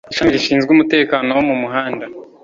ishami rishinzwe umutekano wo mu muhanda